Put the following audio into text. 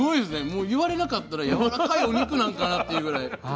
もう言われなかったらやわらかいお肉なのかなっていうぐらい。